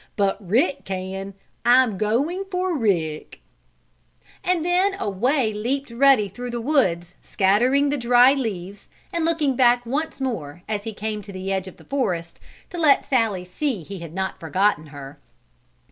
But Rick can! I'm going for Rick!" And then away leaped Ruddy through the woods, scattering the dry leaves, and looking back once more, as he came to the edge of the forest, to let Sallie see he had not forgotten her.